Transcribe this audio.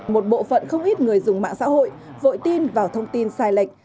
một bộ phận không ít người dùng mạng xã hội vội tin vào thông tin sai lệch